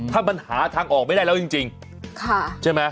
ถ้ามันหาทางออกไม่ได้แล้วยังจริงค่ะใช่มั้ย